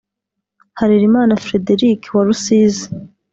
Harerimana Frederic wa Rusizi